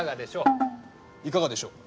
いかがでしょう？